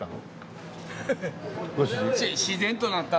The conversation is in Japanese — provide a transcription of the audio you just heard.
自然となったの。